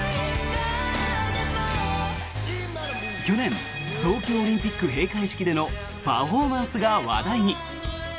去年東京オリンピック閉会式でのパフォーマンスが話題に。